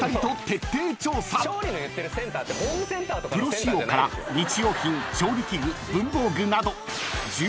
［プロ仕様から日用品調理器具文房具など］